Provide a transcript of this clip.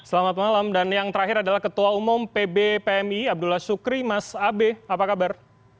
selamat malam dan yang terakhir adalah ketua umum pb pmi abdullah sukri mas abe apa kabar